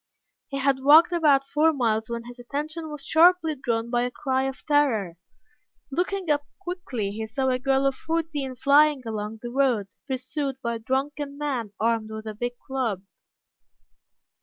He had walked about four miles when his attention was sharply drawn by a cry of terror. Looking up quickly, he saw a girl of fourteen flying along the road pursued by a drunken man armed with a big club.